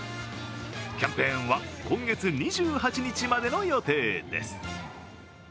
キャンペーンは今月２８日までの予定です。